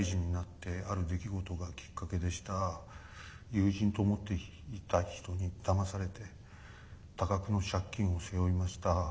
友人と思っていた人にだまされて多額の借金を背負いました。